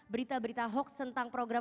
berita berita hoax tentang program